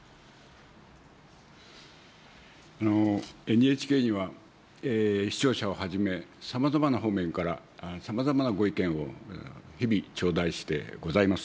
ＮＨＫには、視聴者をはじめ、さまざまな方面から、さまざまなご意見を日々ちょうだいしてございます。